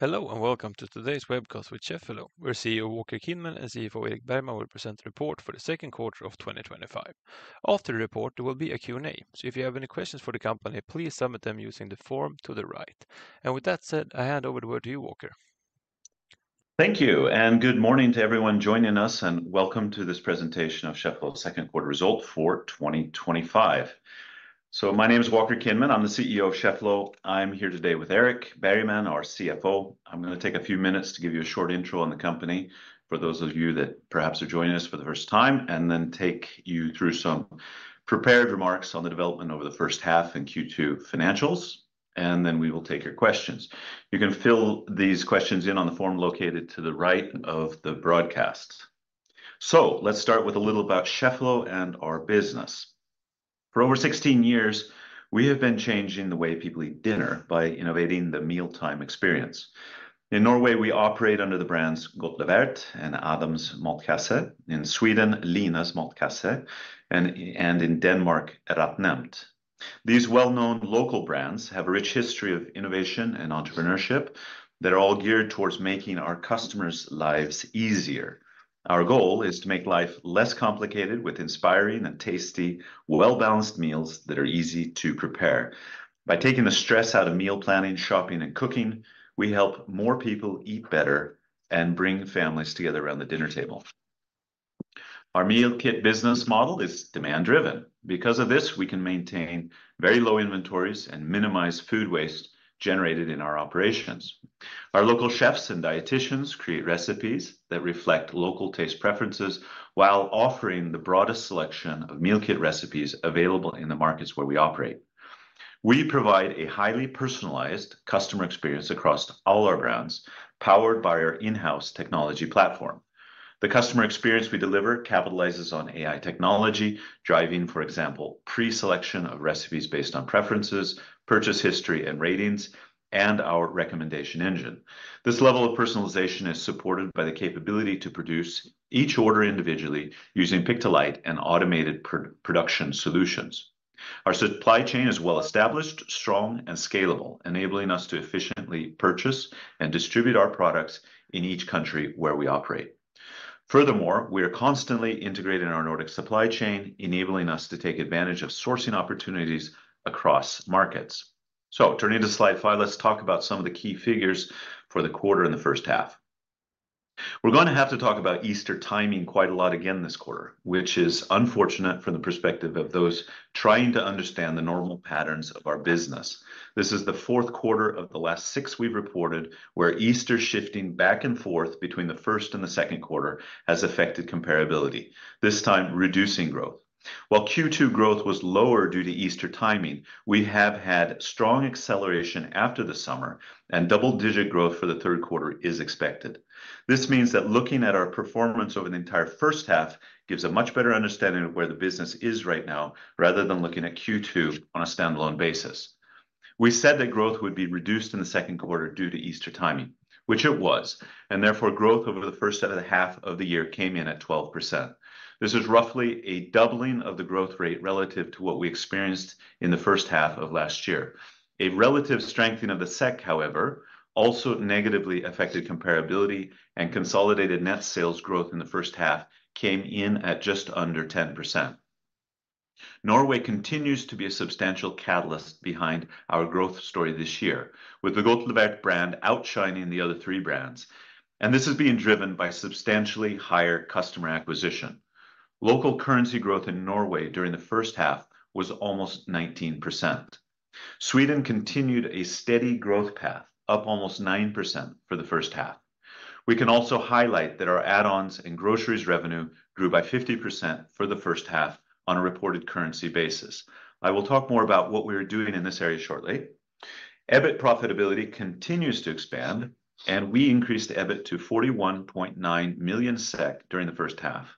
Hello, and welcome to today's webcast with Cheffelo, where CEO Walker Kinman and CFO Erik Bergman will present a report for the second quarter of 2025. After the report, there will be a Q&A. If you have any questions for the company, please submit them using the form to the right. With that said, I hand over the word to you, Walker. Thank you, and good morning to everyone joining us, and welcome to this presentation of Cheffelo's Second Quarter Result for 2025. My name is Walker Kinman. I'm the CEO of Cheffelo. I'm here today with Erik Bergman, our CFO. I'm going to take a few minutes to give you a short intro on the company for those of you that perhaps are joining us for the first time, and then take you through some prepared remarks on the development over the first half in Q2 financials, and then we will take your questions. You can fill these questions in on the form located to the right of the broadcast. Let's start with a little about Cheffelo and our business. For over 16 years, we have been changing the way people eat dinner by innovating the mealtime experience. In Norway, we operate under the brands Gåtlevert and Adams Matkasse, in Sweden, Linas Matkasse, and in Denmark, RetNemt. These well-known local brands have a rich history of innovation and entrepreneurship that are all geared towards making our customers' lives easier. Our goal is to make life less complicated with inspiring and tasty, well-balanced meals that are easy to prepare. By taking the stress out of meal planning, shopping, and cooking, we help more people eat better and bring families together around the dinner table. Our meal kit business model is demand-driven. Because of this, we can maintain very low inventories and minimize food waste generated in our operations. Our local chefs and dietitians create recipes that reflect local taste preferences while offering the broadest selection of meal kit recipes available in the markets where we operate. We provide a highly personalized customer experience across all our brands, powered by our in-house technology platform. The customer experience we deliver capitalizes on AI technology, driving, for example, pre-selection of recipes based on preferences, purchase history, and ratings, and our recommendation engine. This level of personalization is supported by the capability to produce each order individually using Pictolite and automated production solutions. Our supply chain is well-established, strong, and scalable, enabling us to efficiently purchase and distribute our products in each country where we operate. Furthermore, we are constantly integrating our Nordic supply chain, enabling us to take advantage of sourcing opportunities across markets. Turning to slide five, let's talk about some of the key figures for the quarter in the first half. We're going to have to talk about Easter timing quite a lot again this quarter, which is unfortunate from the perspective of those trying to understand the normal patterns of our business. This is the fourth quarter of the last six we've reported where Easter shifting back and forth between the first and the second quarter has affected comparability, this time reducing growth. While Q2 growth was lower due to Easter timing, we have had strong acceleration after the summer, and double-digit growth for the third quarter is expected. This means that looking at our performance over the entire first half gives a much better understanding of where the business is right now, rather than looking at Q2 on a standalone basis. We said that growth would be reduced in the second quarter due to Easter timing, which it was, and therefore growth over the first half of the year came in at 12%. This is roughly a doubling of the growth rate relative to what we experienced in the first half of last year. A relative strengthening of the SEK, however, also negatively affected comparability, and consolidated net sales growth in the first half came in at just under 10%. Norway continues to be a substantial catalyst behind our growth story this year, with the Gåtlevert brand outshining the other three brands, and this is being driven by substantially higher customer acquisition. Local currency growth in Norway during the first half was almost 19%. Sweden continued a steady growth path, up almost 9% for the first half. We can also highlight that our add-ons and groceries revenue grew by 50% for the first half on a reported currency basis. I will talk more about what we are doing in this area shortly. EBIT profitability continues to expand, and we increased EBIT to 41.9 million SEK during the first half.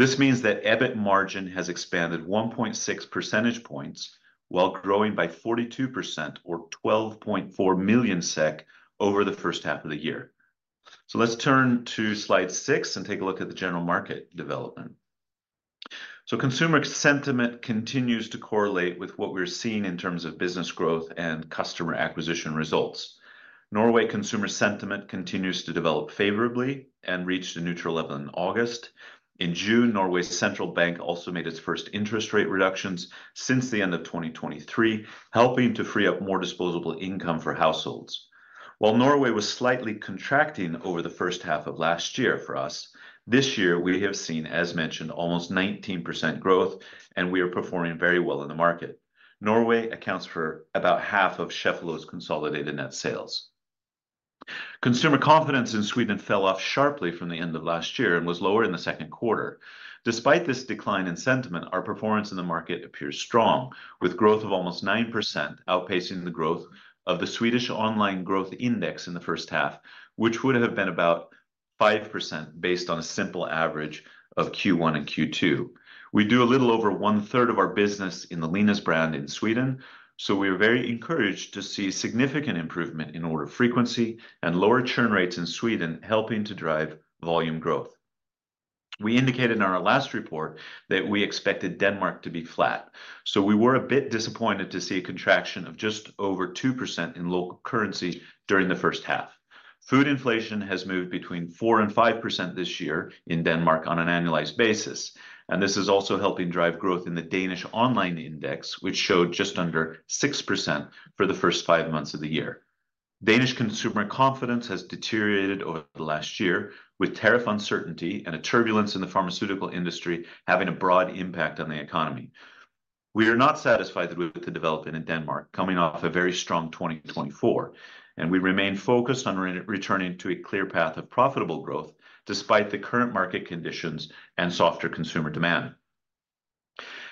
This means that EBIT margin has expanded 1.6 percentage points while growing by 42% or 12.4 million SEK over the first half of the year. Let's turn to slide six and take a look at the general market development. Consumer sentiment continues to correlate with what we're seeing in terms of business growth and customer acquisition results. Norway consumer sentiment continues to develop favorably and reached a neutral level in August. In June, Norway's central bank also made its first interest rate reductions since the end of 2023, helping to free up more disposable income for households. While Norway was slightly contracting over the first half of last year for us, this year we have seen, as mentioned, almost 19% growth, and we are performing very well in the market. Norway accounts for about half of Cheffelo's consolidated net sales. Consumer confidence in Sweden fell off sharply from the end of last year and was lower in the second quarter. Despite this decline in sentiment, our performance in the market appears strong, with growth of almost 9% outpacing the growth of the Swedish online growth index in the first half, which would have been about 5% based on a simple average of Q1 and Q2. We do a little over 1/3 of our business in the Linas brand in Sweden, so we are very encouraged to see significant improvement in order frequency and lower churn rates in Sweden, helping to drive volume growth. We indicated in our last report that we expected Denmark to be flat, so we were a bit disappointed to see a contraction of just over 2% in local currency during the first half. Food inflation has moved between 4% and 5% this year in Denmark on an annualized basis, and this is also helping drive growth in the Danish online index, which showed just under 6% for the first five months of the year. Danish consumer confidence has deteriorated over the last year, with tariff uncertainty and turbulence in the pharmaceutical industry having a broad impact on the economy. We are not satisfied with the development in Denmark, coming off a very strong 2024, and we remain focused on returning to a clear path of profitable growth despite the current market conditions and softer consumer demand.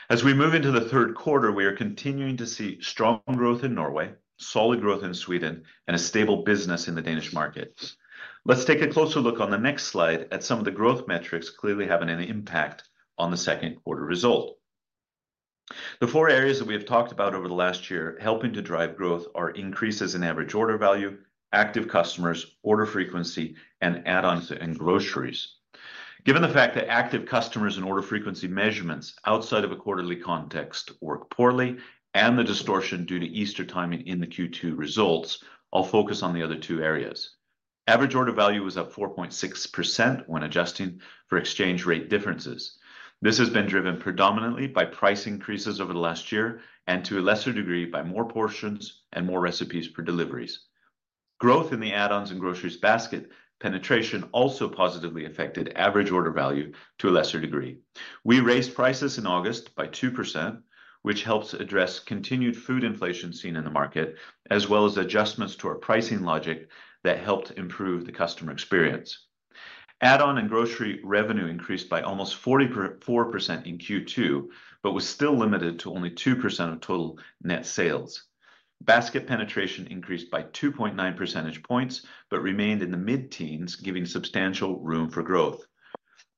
As we move into the third quarter, we are continuing to see strong growth in Norway, solid growth in Sweden, and a stable business in the Danish markets. Let's take a closer look on the next slide at some of the growth metrics clearly having an impact on the second quarter result. The four areas that we have talked about over the last year helping to drive growth are increases in average order value, active customers, order frequency, and add-ons and groceries. Given the fact that active customers and order frequency measurements outside of a quarterly context work poorly and the distortion due to Easter timing in the Q2 results, I'll focus on the other two areas. Average order value was up 4.6% when adjusting for exchange rate differences. This has been driven predominantly by price increases over the last year and to a lesser degree by more portions and more recipes per deliveries. Growth in the add-ons and groceries basket penetration also positively affected average order value to a lesser degree. We raised prices in August by 2%, which helps address continued food inflation seen in the market, as well as adjustments to our pricing logic that helped improve the customer experience. Add-on and grocery revenue increased by almost 44% in Q2, but was still limited to only 2% of total net sales. Basket penetration increased by 2.9 percentage points, but remained in the mid-teens, giving substantial room for growth.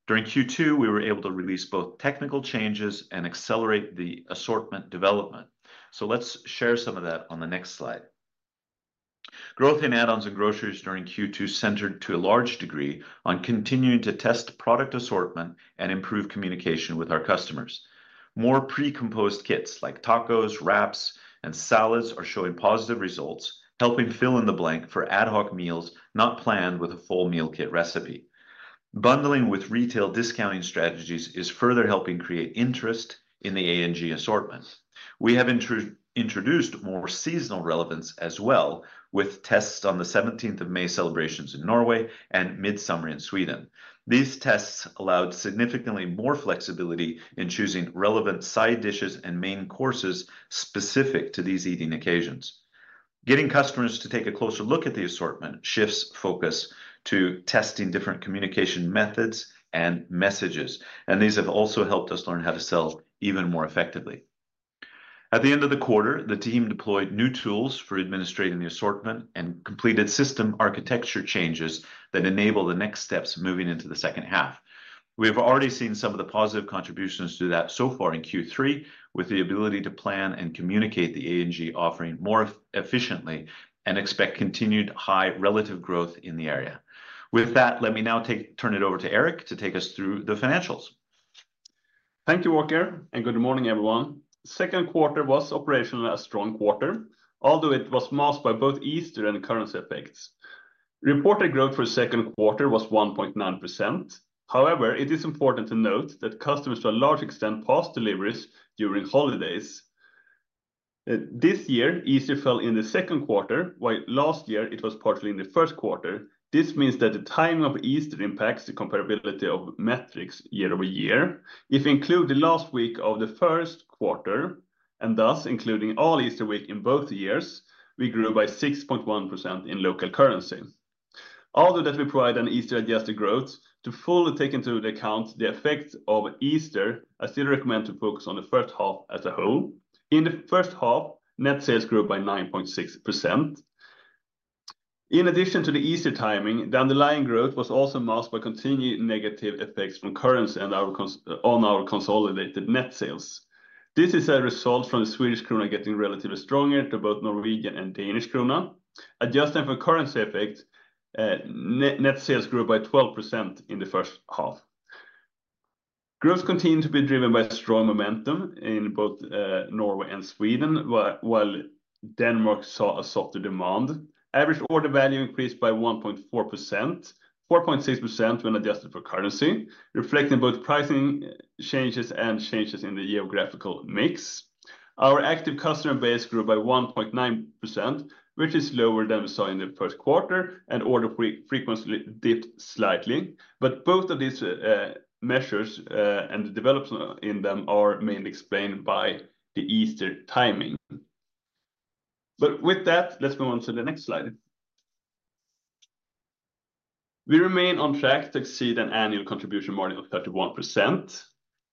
During Q2, we were able to release both technical changes and accelerate the assortment development. Let's share some of that on the next slide. Growth in add-ons and groceries during Q2 centered to a large degree on continuing to test product assortment and improve communication with our customers. More pre-composed kits like tacos, wraps, and salads are showing positive results, helping fill in the blank for ad-hoc meals not planned with a full meal kit recipe. Bundling with retail discounting strategies is further helping create interest in the ANG assortments. We have introduced more seasonal relevance as well, with tests on the 17th of May celebrations in Norway and mid-summer in Sweden. These tests allowed significantly more flexibility in choosing relevant side dishes and main courses specific to these eating occasions. Getting customers to take a closer look at the assortment shifts focus to testing different communication methods and messages, and these have also helped us learn how to sell even more effectively. At the end of the quarter, the team deployed new tools for administrating the assortment and completed system architecture changes that enable the next steps moving into the second half. We have already seen some of the positive contributions to that so far in Q3, with the ability to plan and communicate the ANG offering more efficiently and expect continued high relative growth in the area. With that, let me now turn it over to Erik to take us through the financials. Thank you, Walker, and good morning, everyone. The second quarter was operationally a strong quarter, although it was masked by both Easter and currency effects. Reported growth for the second quarter was 1.9%. However, it is important to note that customers to a large extent paused deliveries during holidays. This year, Easter fell in the second quarter, while last year it was partially in the first quarter. This means that the timing of Easter impacts the comparability of metrics year-over-year. If we include the last week of the first quarter, and thus including all Easter week in both the years, we grew by 6.1% in local currency. Although we provide an Easter adjusted growth to fully take into account the effects of Easter, I still recommend to focus on the first half as a whole. In the first half, net sales grew by 9.6%. In addition to the Easter timing, the underlying growth was also masked by continued negative effects from currency and on our consolidated net sales. This is a result from the Swedish krona getting relatively stronger to both Norwegian and Danish krona. Adjusting for currency effects, net sales grew by 12% in the first half. Growth continued to be driven by strong momentum in both Norway and Sweden, while Denmark saw a softer demand. Average order value increased by 1.4%, 4.6% when adjusted for currency, reflecting both pricing changes and changes in the geographical mix. Our active customer base grew by 1.9%, which is lower than we saw in the first quarter, and order frequency dipped slightly. Both of these measures and the development in them are mainly explained by the Easter timing. With that, let's move on to the next slide. We remain on track to exceed an annual contribution margin of 31%.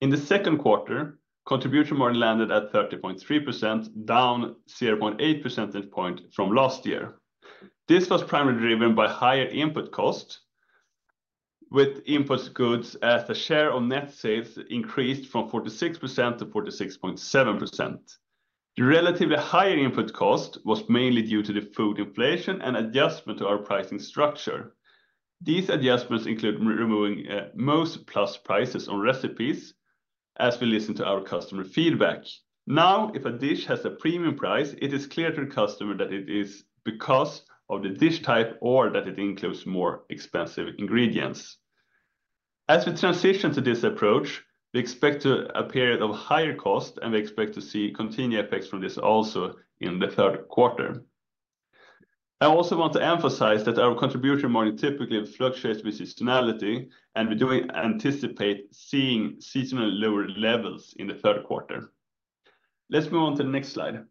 In the second quarter, contribution margin landed at 30.3%, down 0.8 percentage point from last year. This was primarily driven by higher input costs, with input goods as the share of net sales increased from 46%-46.7%. The relatively higher input cost was mainly due to the food inflation and adjustment to our pricing structure. These adjustments include removing most plus prices on recipes as we listen to our customer feedback. Now, if a dish has a premium price, it is clear to the customer that it is because of the dish type or that it includes more expensive ingredients. As we transition to this approach, we expect a period of higher cost, and we expect to see continued effects from this also in the third quarter. I also want to emphasize that our contribution margin typically fluctuates with seasonality, and we do anticipate seeing seasonally lower levels in the third quarter. Let's move on to the next slide.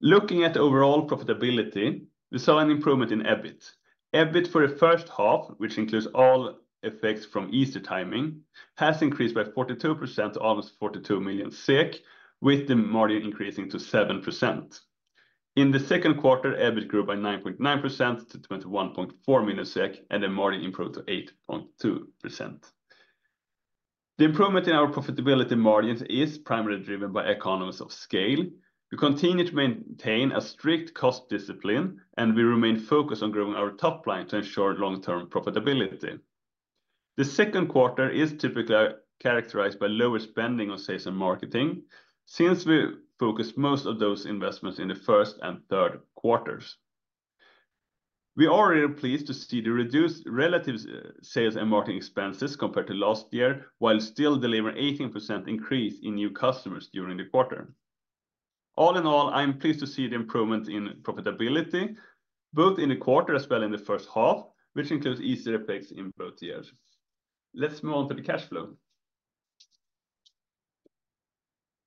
Looking at overall profitability, we saw an improvement in EBIT. EBIT for the first half, which includes all effects from Easter timing, has increased by 42% to almost 42 million, with the margin increasing to 7%. In the second quarter, EBIT grew by 9.9% to 21.4 million SEK, and the margin improved to 8.2%. The improvement in our profitability margins is primarily driven by economies of scale. We continue to maintain a strict cost discipline, and we remain focused on growing our top line to ensure long-term profitability. The second quarter is typically characterized by lower spending on sales and marketing, since we focused most of those investments in the first and third quarters. We are really pleased to see the reduced relative sales and marketing expenses compared to last year, while still delivering an 18% increase in new customers during the quarter. All in all, I'm pleased to see the improvement in profitability, both in the quarter as well as in the first half, which includes Easter effects in both years. Let's move on to the cash flow.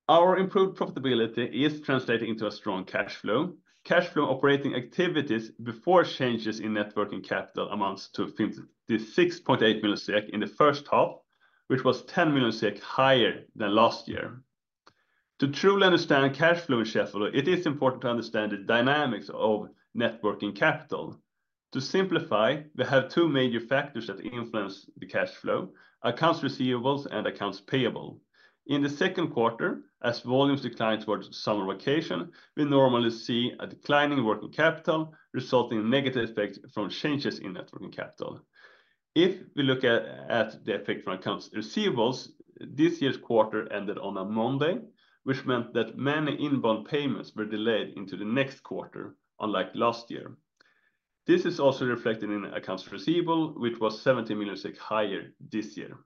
Our improved profitability is translated into a strong cash flow. Cash flow from operating activities before changes in net working capital amounts to 56.8 million SEK in the first half, which was 10 million SEK higher than last year. To truly understand cash flow in Cheffelo, it is important to understand the dynamics of net working capital. To simplify, we have two major factors that influence the cash flow: accounts receivables and accounts payable. In the second quarter, as volumes decline towards summer vacation, we normally see a declining working capital, resulting in negative effects from changes in net working capital. If we look at the effect from accounts receivables, this year's quarter ended on a Monday, which meant that many inbound payments were delayed into the next quarter, unlike last year. This is also reflected in accounts receivable, which was 17 million SEK higher this year.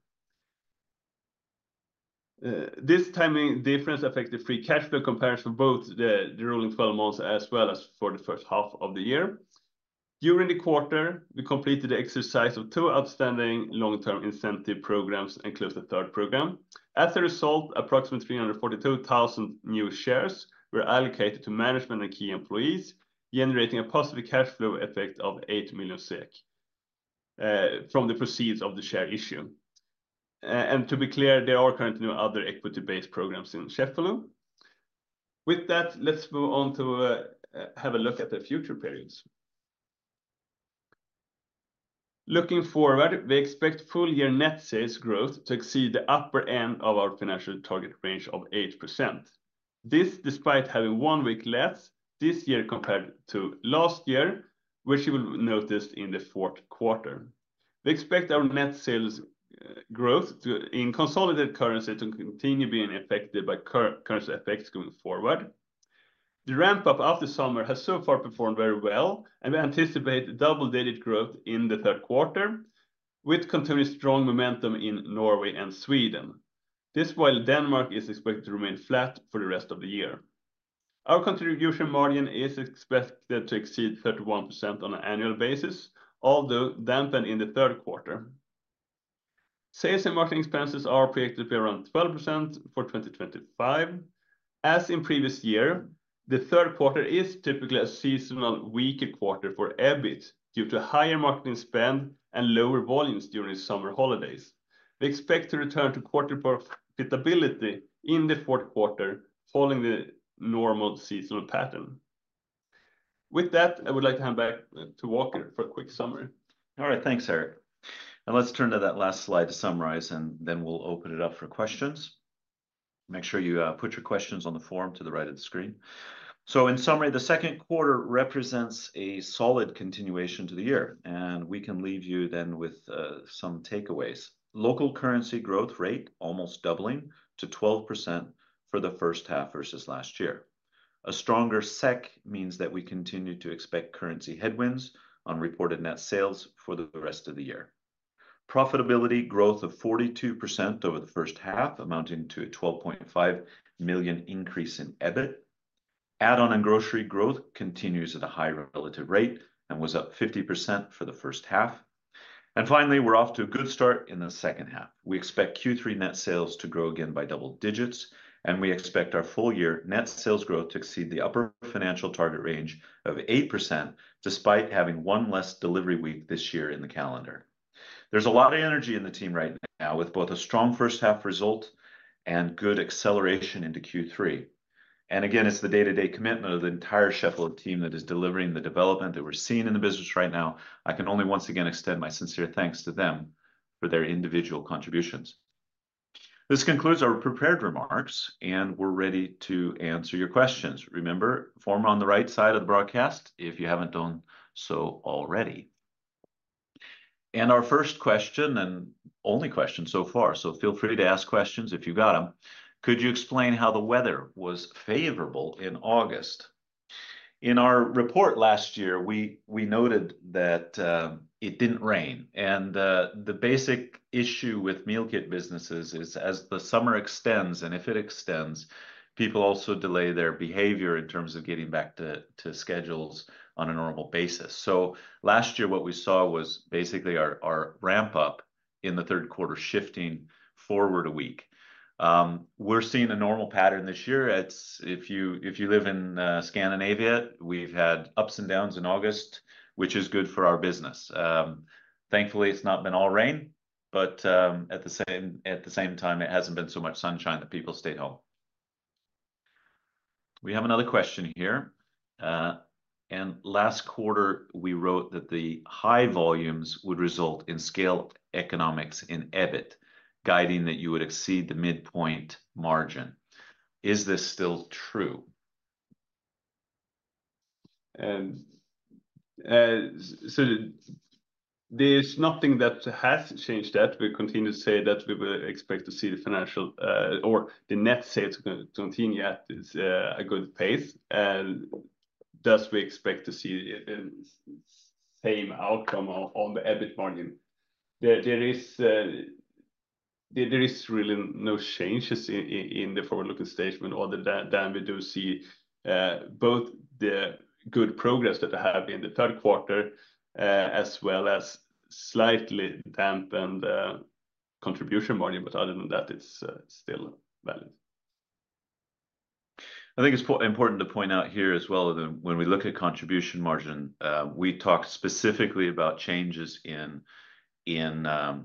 This timing difference affected free cash flow comparison for both the rolling 12 months as well as for the first half of the year. During the quarter, we completed the exercise of two outstanding long-term incentive programs and closed the third program. As a result, approximately 342,000 new shares were allocated to management and key employees, generating a positive cash flow effect of 8 million SEK from the proceeds of the share issue. To be clear, there are currently no other equity-based programs in Cheffelo. With that, let's move on to have a look at the future periods. Looking forward, we expect full-year net sales growth to exceed the upper end of our financial target range of 8%. This is despite having one week less this year compared to last year, which you will notice in the fourth quarter. We expect our net sales growth in consolidated currency to continue being affected by currency effects going forward. The ramp-up after summer has so far performed very well, and we anticipate double-digit growth in the third quarter, with continued strong momentum in Norway and Sweden, while Denmark is expected to remain flat for the rest of the year. Our contribution margin is expected to exceed 31% on an annual basis, although dampened in the third quarter. Sales and marketing expenses are predicted to be around 12% for 2025. As in the previous year, the third quarter is typically a seasonally weaker quarter for EBIT due to higher marketing spend and lower volumes during summer holidays. We expect to return to quarterly profitability in the fourth quarter, following the normal seasonal pattern. With that, I would like to hand back to Walker for a quick summary. All right, thanks, Erik. Now let's turn to that last slide to summarize, and then we'll open it up for questions. Make sure you put your questions on the form to the right of the screen. In summary, the second quarter represents a solid continuation to the year, and we can leave you then with some takeaways. Local currency growth rate almost doubling to 12% for the first half versus last year. A stronger SEK means that we continue to expect currency headwinds on reported net sales for the rest of the year. Profitability growth of 42% over the first half, amounting to a 12.5 million increase in EBIT. Add-on and grocery growth continues at a higher relative rate and was up 50% for the first half. Finally, we're off to a good start in the second half. We expect Q3 net sales to grow again by double digits, and we expect our full-year net sales growth to exceed the upper financial target range of 8%, despite having one less delivery week this year in the calendar. There's a lot of energy in the team right now, with both a strong first half result and good acceleration into Q3. It's the day-to-day commitment of the entire Cheffelo team that is delivering the development that we're seeing in the business right now. I can only once again extend my sincere thanks to them for their individual contributions. This concludes our prepared remarks, and we're ready to answer your questions. Remember, form on the right side of the broadcast if you haven't done so already. Our first question, and only question so far, so feel free to ask questions if you got them. Could you explain how the weather was favorable in August? In our report last year, we noted that it didn't rain, and the basic issue with meal kit businesses is as the summer extends, and if it extends, people also delay their behavior in terms of getting back to schedules on a normal basis. Last year, what we saw was basically our ramp-up in the third quarter shifting forward a week. We're seeing a normal pattern this year. If you live in Scandinavia, we've had ups and downs in August, which is good for our business. Thankfully, it's not been all rain, but at the same time, it hasn't been so much sunshine that people stayed home. We have another question here. Last quarter, we wrote that the high volumes would result in scale economics in EBIT, guiding that you would exceed the midpoint margin. Is this still true? There is nothing that has changed that. We continue to say that we expect to see the financial or the net sales continue at a good pace. Thus, we expect to see the same outcome on the EBIT margin. There is really no change in the forward-looking statement other than we do see both the good progress that we have in the third quarter as well as slightly dampened contribution margin, but other than that, it's still valid. I think it's important to point out here as well that when we look at contribution margin, we talked specifically about changes in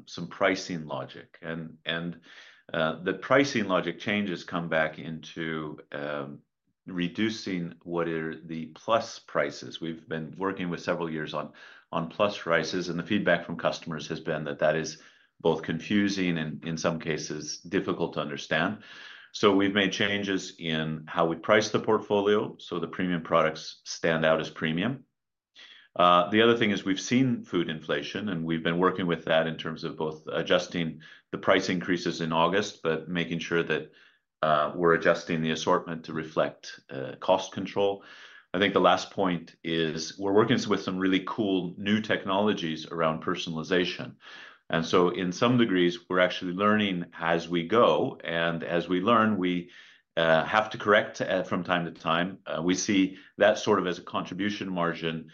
some pricing logic, and the pricing logic changes come back into reducing what are the plus prices. We've been working with several years on plus prices, and the feedback from customers has been that that is both confusing and in some cases difficult to understand. We've made changes in how we price the portfolio so the premium products stand out as premium. The other thing is we've seen food inflation, and we've been working with that in terms of both adjusting the price increases in August, but making sure that we're adjusting the assortment to reflect cost control. I think the last point is we're working with some really cool new technologies around personalization. In some degrees, we're actually learning as we go, and as we learn, we have to correct from time to time. We see that sort of as a contribution margin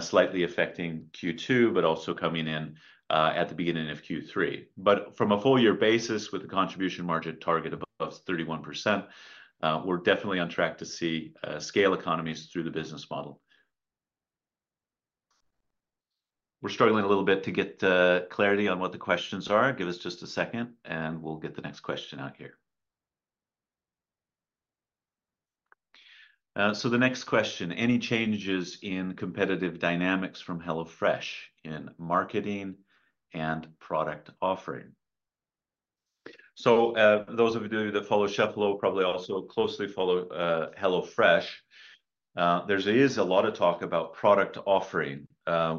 slightly affecting Q2, but also coming in at the beginning of Q3. From a full-year basis with a contribution margin target of 31%, we're definitely on track to see scale economies through the business model. We're struggling a little bit to get clarity on what the questions are. Give us just a second, and we'll get the next question out here. The next question, any changes in competitive dynamics from HelloFresh in marketing and product offering? Those of you that follow Cheffelo probably also closely follow HelloFresh. There is a lot of talk about product offering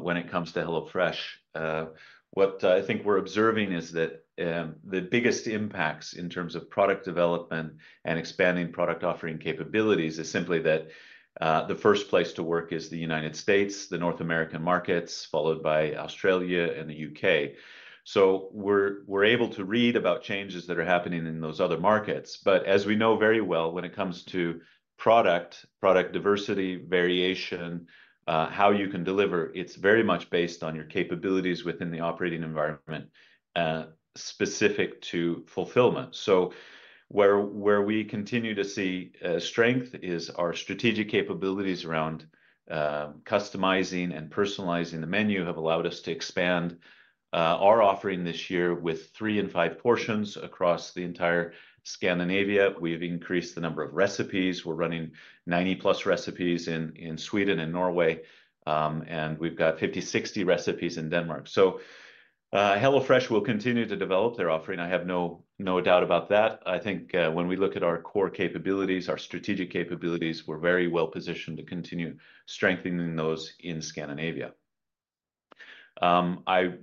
when it comes to HelloFresh. What I think we're observing is that the biggest impacts in terms of product development and expanding product offering capabilities is simply that the first place to work is the United States, the North American markets, followed by Australia and the U.K. We're able to read about changes that are happening in those other markets. As we know very well, when it comes to product, product diversity, variation, how you can deliver, it's very much based on your capabilities within the operating environment specific to fulfillment. Where we continue to see strength is our strategic capabilities around customizing and personalizing the menu have allowed us to expand our offering this year with three and five portions across the entire Scandinavia. We've increased the number of recipes. We're running 90+ recipes in Sweden and Norway, and we've got 50-60 recipes in Denmark. HelloFresh will continue to develop their offering. I have no doubt about that. I think when we look at our core capabilities, our strategic capabilities, we're very well positioned to continue strengthening those in Scandinavia. I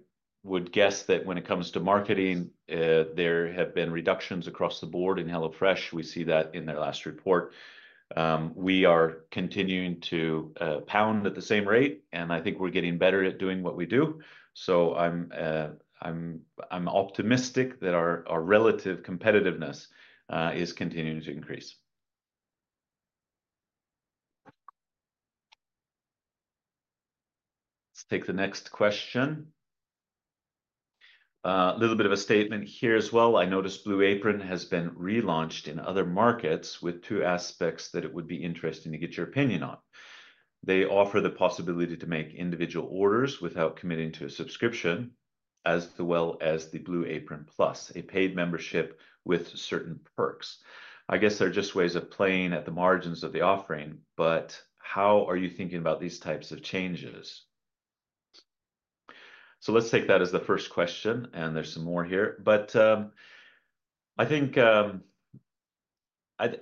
would guess that when it comes to marketing, there have been reductions across the board in HelloFresh. We see that in their last report. We are continuing to pound at the same rate, and I think we're getting better at doing what we do. I'm optimistic that our relative competitiveness is continuing to increase. Let's take the next question. A little bit of a statement here as well. I noticed Blue Apron has been relaunched in other markets with two aspects that it would be interesting to get your opinion on. They offer the possibility to make individual orders without committing to a subscription, as well as the Blue Apron+, a paid membership with certain perks. I guess there are just ways of playing at the margins of the offering, but how are you thinking about these types of changes? Let's take that as the first question, and there's some more here. I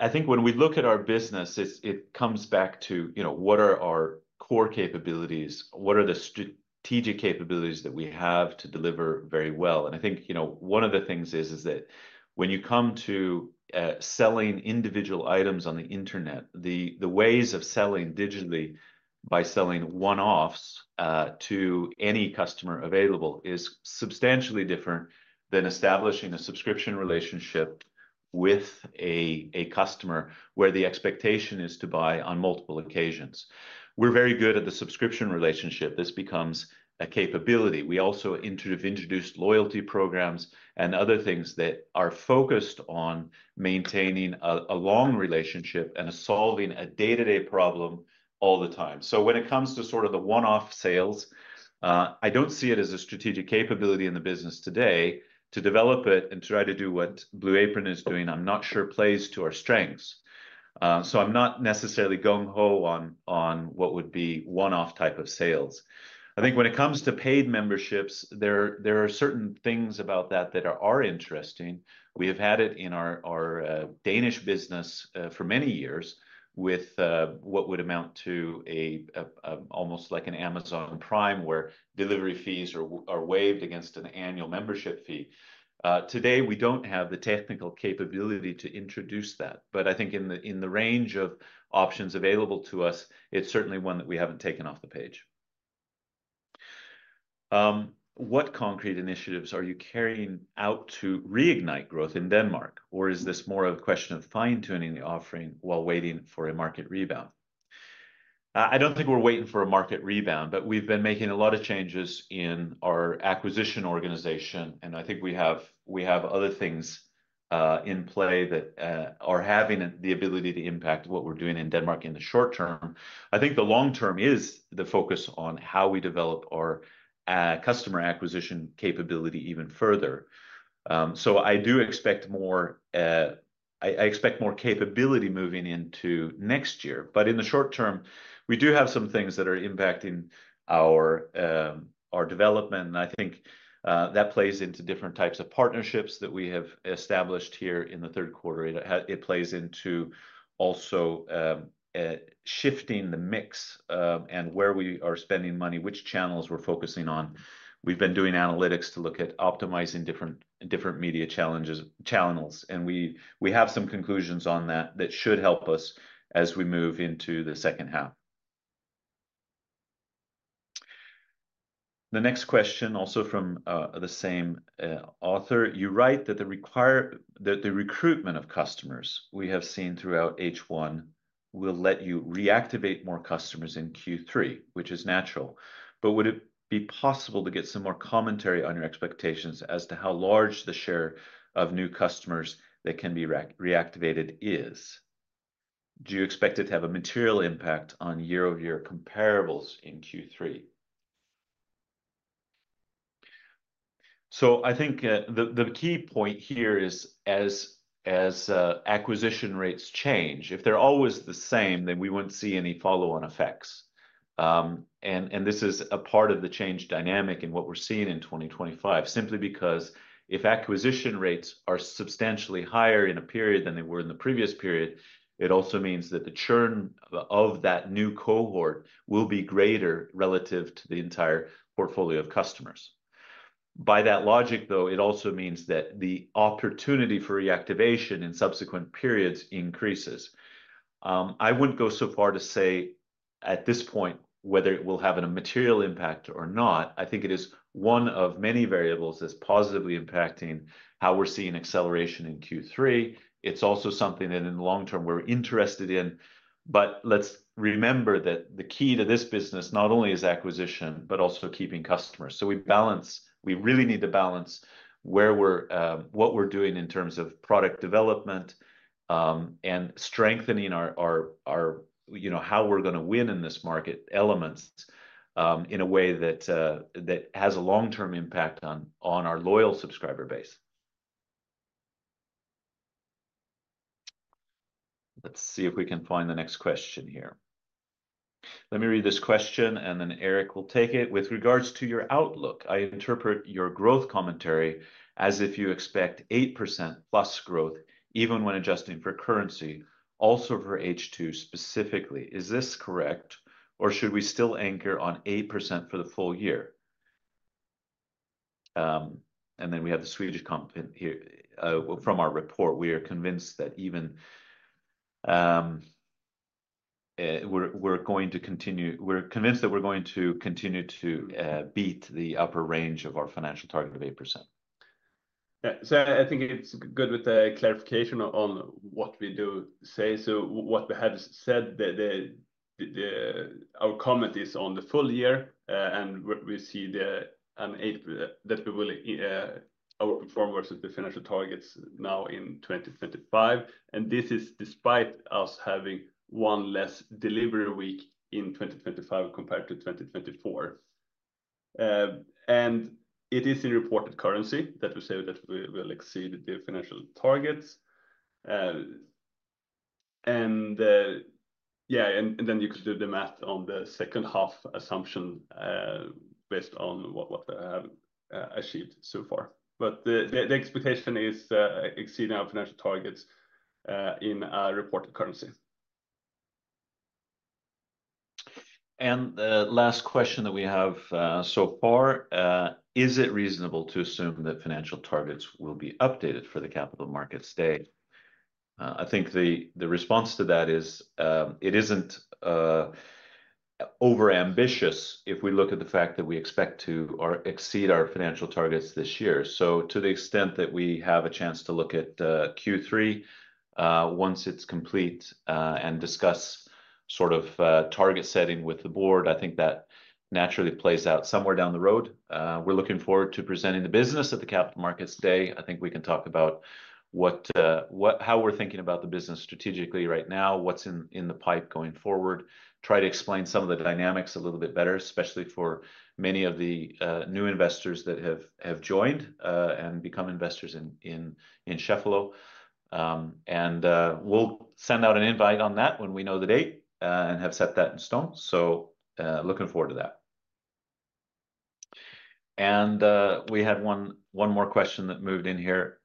think when we look at our business, it comes back to what are our core capabilities, what are the strategic capabilities that we have to deliver very well. I think one of the things is that when you come to selling individual items on the internet, the ways of selling digitally by selling one-offs to any customer available is substantially different than establishing a subscription relationship with a customer where the expectation is to buy on multiple occasions. We're very good at the subscription relationship. This becomes a capability. We also have introduced loyalty programs and other things that are focused on maintaining a long relationship and solving a day-to-day problem all the time. When it comes to the one-off sales, I don't see it as a strategic capability in the business today to develop it and try to do what Blue Apron is doing. I'm not sure it plays to our strengths. I'm not necessarily gung-ho on what would be one-off type of sales. I think when it comes to paid memberships, there are certain things about that that are interesting. We have had it in our Danish business for many years with what would amount to almost like an Amazon Prime where delivery fees are waived against an annual membership fee. Today, we don't have the technical capability to introduce that, but I think in the range of options available to us, it's certainly one that we haven't taken off the page. What concrete initiatives are you carrying out to reignite growth in Denmark, or is this more of a question of fine-tuning the offering while waiting for a market rebound? I don't think we're waiting for a market rebound, but we've been making a lot of changes in our acquisition organization, and I think we have other things in play that are having the ability to impact what we're doing in Denmark in the short-term. I think the long term is the focus on how we develop our customer acquisition capability even further. I do expect more capability moving into next year, but in the short-term, we do have some things that are impacting our development, and I think that plays into different types of partnerships that we have established here in the third quarter. It plays into also shifting the mix and where we are spending money, which channels we're focusing on. We've been doing analytics to look at optimizing different media channels, and we have some conclusions on that that should help us as we move into the second half. The next question, also from the same author, you write that the recruitment of customers we have seen throughout H1 will let you reactivate more customers in Q3, which is natural, but would it be possible to get some more commentary on your expectations as to how large the share of new customers that can be reactivated is? Do you expect it to have a material impact on year-over-year comparables in Q3? I think the key point here is as acquisition rates change, if they're always the same, then we won't see any follow-on effects. This is a part of the change dynamic in what we're seeing in 2025, simply because if acquisition rates are substantially higher in a period than they were in the previous period, it also means that the churn of that new cohort will be greater relative to the entire portfolio of customers. By that logic, it also means that the opportunity for reactivation in subsequent periods increases. I wouldn't go so far to say at this point whether it will have a material impact or not. I think it is one of many variables that's positively impacting how we're seeing acceleration in Q3. It's also something that in the long-term we're interested in, but let's remember that the key to this business not only is acquisition, but also keeping customers. We really need to balance what we're doing in terms of product development and strengthening our how we're going to win in this market elements in a way that has a long-term impact on our loyal subscriber base. Let's see if we can find the next question here. Let me read this question, and then Erik will take it. With regards to your outlook, I interpret your growth commentary as if you expect 8%+ growth, even when adjusting for currency, also for H2 specifically. Is this correct, or should we still anchor on 8% for the full year? We have the Swedish comment here from our report. We are convinced that we're going to continue to beat the upper range of our financial target of 8%. Yeah, I think it's good with the clarification on what we do say. What we have said, our comment is on the full year and what we see, the estimate that we will our performance of the financial targets now in 2025. This is despite us having one less delivery week in 2025 compared to 2024. It is in reported currency that we say that we will exceed the financial targets. You could do the math on the second half assumption based on what we have achieved so far. The expectation is exceeding our financial targets in our reported currency. The last question that we have so far, is it reasonable to assume that financial targets will be updated for the capital markets day? I think the response to that is it isn't overambitious if we look at the fact that we expect to exceed our financial targets this year. To the extent that we have a chance to look at Q3 once it's complete and discuss sort of target setting with the board, I think that naturally plays out somewhere down the road. We're looking forward to presenting the business at the capital markets day. I think we can talk about how we're thinking about the business strategically right now, what's in the pipe going forward, try to explain some of the dynamics a little bit better, especially for many of the new investors that have joined and become investors in Cheffelo. We'll send out an invite on that when we know the date and have set that in stone. Looking forward to that. We had one more question that moved in here.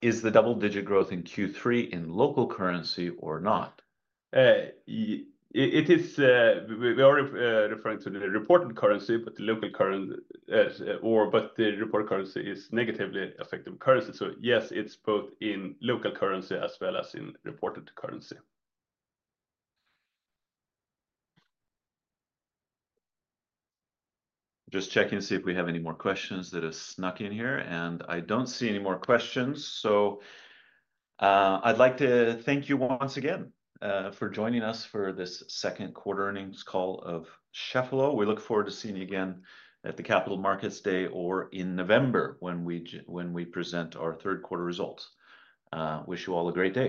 Is the double-digit growth in Q3 in local currency or not? It is, we are referring to the reported currency, but the local currency is negatively affected by currency. Yes, it's both in local currency as well as in reported currency. Just checking to see if we have any more questions that have snuck in here, and I don't see any more questions. I'd like to thank you once again for joining us for this Second Quarter Earnings all of Cheffelo AB. We look forward to seeing you again at the capital markets day or in November when we present our third quarter results. Wish you all a great day.